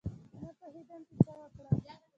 نه پوهېدم چې څه وکړم.